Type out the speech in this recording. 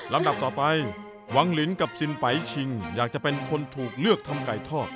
ดับต่อไปวังลินกับสินไปชิงอยากจะเป็นคนถูกเลือกทำไก่ทอด